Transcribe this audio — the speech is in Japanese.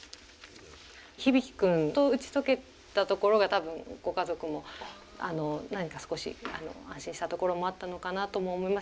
日々貴くんと打ち解けたところが多分ご家族も何か少し安心したところもあったのかなとも思います。